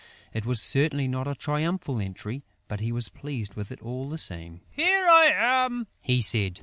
It was certainly not a triumphal entry, but he was pleased with it all the same: "Here I am!" he said.